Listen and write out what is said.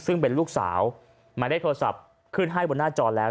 ซึ่งเป็นลูกสาวหมายเลขโทรศัพท์ขึ้นให้บนหน้าจอแล้ว